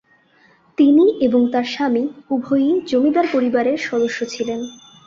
তিনি এবং তাঁর স্বামী উভয়েই জমিদার পরিবারের সদস্য ছিলেন।